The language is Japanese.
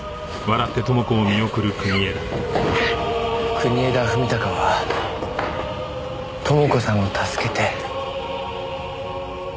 国枝史貴は朋子さんを助けて。